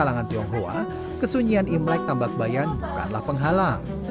kalangan tionghoa kesunyian imlek tambak bayan bukanlah penghalang